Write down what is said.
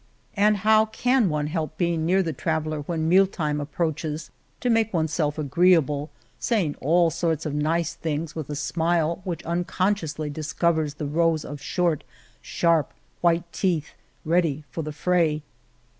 And how can one help being near the traveller when meal time 71 The Cave of Montesinos approaches to make one's self agreea ble, saying all sorts of nice things with a smile which un consciously discov ers the rows of short, sharp, white teeth ready for the fray